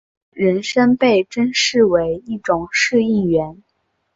人参被珍视为一种适应原。